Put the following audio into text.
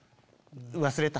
忘れた。